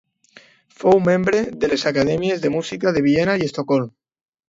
Fou membre de les Acadèmies de Música de Viena i Estocolm.